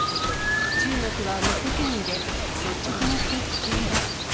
中国は無責任で、率直に言って危険だ。